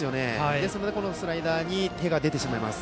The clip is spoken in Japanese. ですので、スライダーに手が出てしまいます。